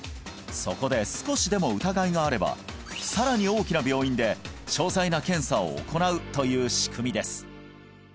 そこで少しでも疑いがあればさらに大きな病院で詳細な検査を行うという仕組みです